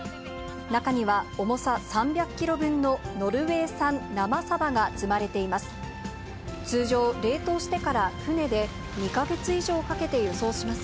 中には重さ３００キロ分のノルウェー産生サバが積まれています。